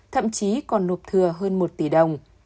thậm chí còn nộp thừa hơn một tỷ đồng